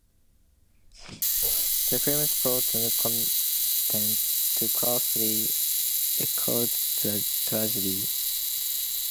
The film's plot and content too closely echoed the tragedy.